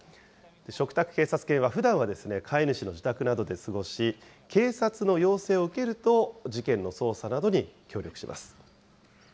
嘱託警察犬はふだんは飼い主の自宅などで過ごし、警察の要請を受けると、事件の捜査などに協力します。